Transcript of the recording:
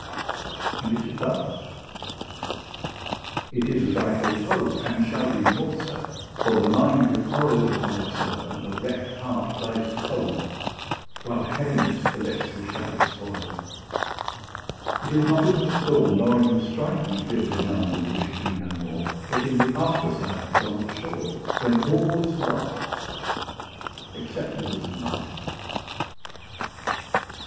And is it thus? it is as I foretold, And shall be more so; for the mind recoils Upon itself, and the wrecked heart lies cold, While Heaviness collects the shattered spoils. It is not in the storm nor in the strife We feel benumbed, and wish to be no more, But in the after silence on the shore, When all is lost, except a little life.